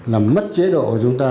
làm mất chế độ của chúng ta